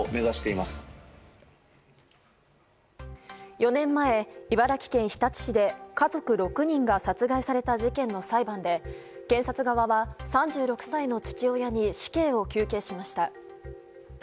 ４年前、茨城県日立市で家族６人が殺害された事件の裁判で検察側は３６歳の父親に死刑を求刑しました。